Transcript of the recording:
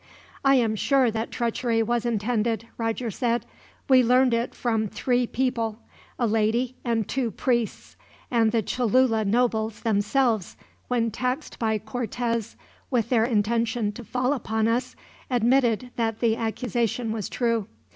"I am sure that treachery was intended," Roger said. "We learned it from three people, a lady and two priests; and the Cholula nobles, themselves, when taxed by Cortez with their intention to fall upon us, admitted that the accusation was true.